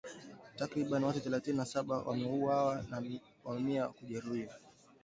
Takribani watu themanini na saba wameuawa na mamia kujeruhiwa